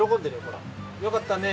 よかったね！